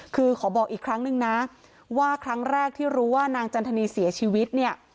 คือขอบอกอีกครั้งนึงนะว่าครั้งแรกที่รู้ว่านางจันทนีเสียชีวิตเนี่ย